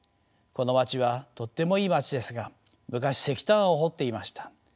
この町はとってもいい町ですが昔石炭を掘っていました。